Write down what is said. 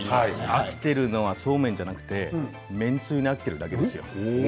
飽きているのはそうめんではなくて麺つゆに飽きているだけですよ。